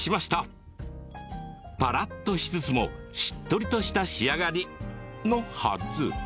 パラッとしつつもしっとりとした仕上がりのはず。